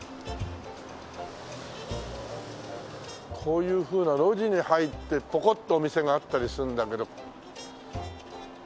こういうふうな路地に入ってぽこっとお店があったりするんだけど。